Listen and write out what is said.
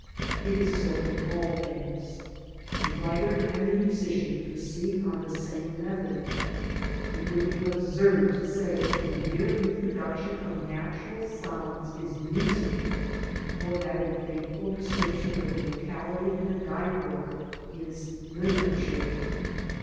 It is so in all things. The writer and the musician proceed on the sanie method. It would be absurd to say that the mere reproduction of natural sounds" is "^music,"^ or' IhafT'fa^ description of a locality in a guide book is literature.